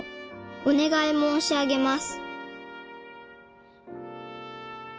「お願い申し上げます」